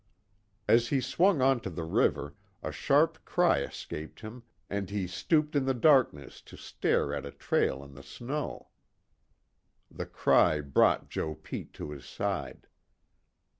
As he swung onto the river, a sharp cry escaped him and he stooped in the darkness to stare at a trail in the snow. The cry brought Joe Pete to his side.